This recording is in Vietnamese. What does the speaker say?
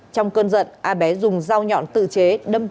trong cơn giận a bé dùng rau nhọn tự chế đâm chạy